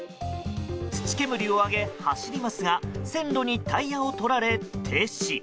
土煙を上げ、走りますが線路にタイヤをとられ、停止。